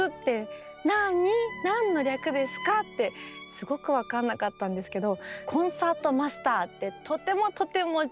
すごく分かんなかったんですけど。